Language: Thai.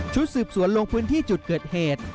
สืบสวนลงพื้นที่จุดเกิดเหตุ